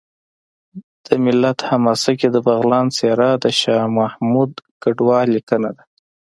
د ملت حماسه کې د بغلان څېره د شاه محمود کډوال لیکنه ده